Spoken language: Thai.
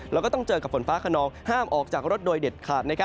แล้วก็ต้องเจอกับฝนฟ้าขนองห้ามออกจากรถโดยเด็ดขาด